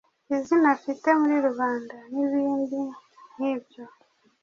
izina afite muri rubanda n'ibindi nk'ibyo.